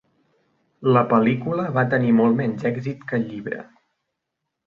La pel·lícula va tenir molt menys èxit que el llibre.